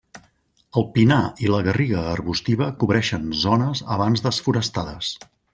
El pinar i la garriga arbustiva cobreixen zones abans desforestades.